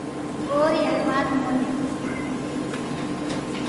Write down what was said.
اوري ھر وات موني